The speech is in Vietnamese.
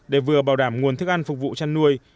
để vừa bảo đảm nguồn thức ăn phục vụ chăn nuôi